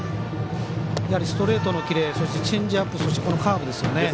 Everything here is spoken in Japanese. ストレートのキレそしてチェンジアップそして、このカーブですよね。